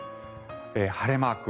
晴れマーク